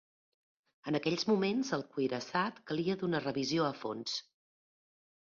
En aquells moments, el cuirassat calia d'una revisió a fons.